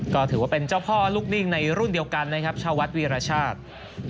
ก็ถือว่าเป็นเจ้าพ่อลูกนิ่งในรุ่นเดียวกันนะครับชาววัดวีรชาติ